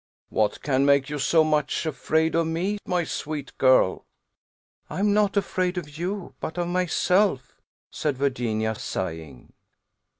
"What can make you so much afraid of me, my sweet girl?" "I am not afraid of you but of myself," said Virginia, sighing.